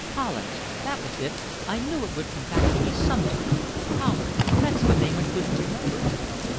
"Collins, that was it. I knew it would come back to me some time. Collins, that's the name I couldn't remember."